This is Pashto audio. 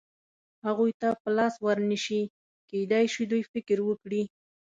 هغوی ته په لاس ور نه شي، کېدای شي دوی فکر وکړي.